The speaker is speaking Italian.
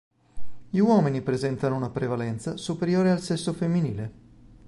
Gli uomini presentano una prevalenza superiore al sesso femminile.